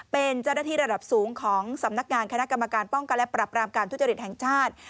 เป็นเจ้าหน้าที่ระดับสูงของสำนักงานคณะกรรมการป้องกันและปรับรามการทุจริตแห่งชาติ